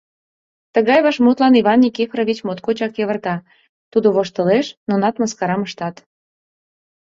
Тыгай вашмутлан Иван Никифорович моткочак йывырта: тудо воштылеш — нунат мыскарам ыштат.